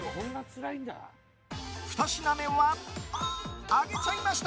２品目は、揚げちゃいました！